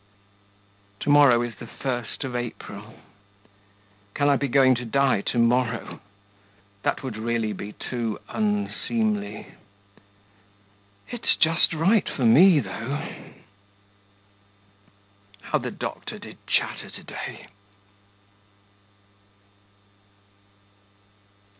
To morrow is the first of April. Can I be going to die to morrow? That would be really too unseemly. It's just right for me, though ... How the doctor did chatter to day.